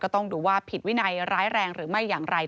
ต้องดูว่าผิดวินัยร้ายแรงหรือไม่อย่างไร